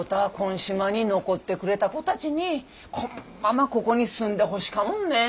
島に残ってくれた子たちにこんままここに住んでほしかもんね。